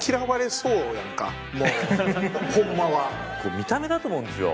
見た目だと思うんですよ。